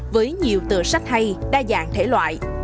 với nhiều tựa sách hay đa dạng thể loại